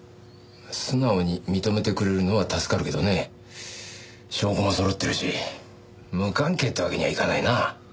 素直に認めてくれるのは助かるけどね証拠も揃ってるし無関係ってわけにはいかないな。